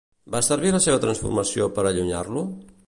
Va servir la seva transformació per a allunyar-lo?